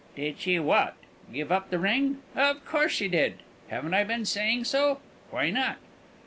"Did she what? give up the ring? Of course she did. Haven't I been saying so? Why not?"